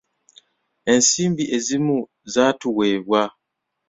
Ensimbi ezimu zaatuweebwa.